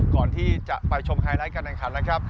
ก่อนที่จะไปชมไฮไลท์การแข่งขันนะครับ